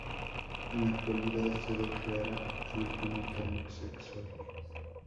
En la actualidad se declara abiertamente homosexual.